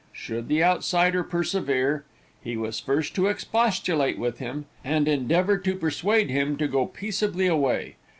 Should the outsider persevere, he was first to expostulate with him, and endeavor to persuade him to go peaceably away.